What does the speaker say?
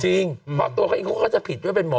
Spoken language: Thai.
จริงเพราะตัวเขาจะผิดว่าเป็นหมอ